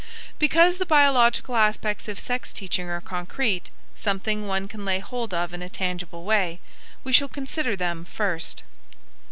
Because the biological aspects of sex teaching are concrete, something one can lay hold of in a tangible way, we shall consider them first.